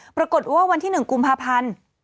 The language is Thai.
ปรากฏว่าวันที่๑กุมภาพันธ์